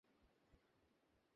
ঠিক আছে আমি করব, স্যার!